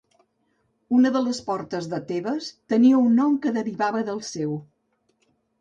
Una de les portes de Tebes tenia un nom que derivava del seu.